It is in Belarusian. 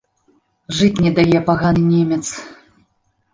Жыць не дае паганы немец.